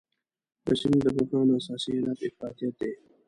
د سیمې د بحران اساسي علت افراطیت دی.